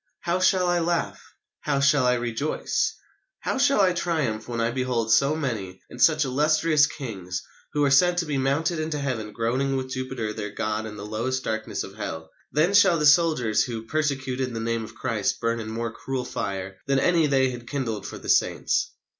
How shall I laugh? How shall I rejoice? How shall I triumph when I behold so many and such illustrious kings, who were said to be mounted into heaven groaning with Jupiter their god in the lowest darkness of Hell! Then shall the soldiers who persecuted the name of Christ burn in more cruel fire than any they had kindled for the saints....